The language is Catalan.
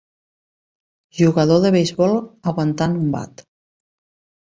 Jugador de beisbol aguantant un bat.